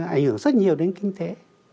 ảnh hưởng rất nhiều đến kinh tế